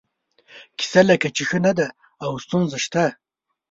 کیسه لکه چې ښه نه ده او ستونزه شته.